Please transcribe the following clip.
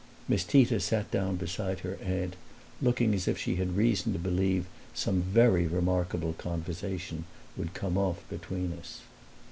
Miss Tita sat down beside her aunt, looking as if she had reason to believe some very remarkable conversation would come off between us.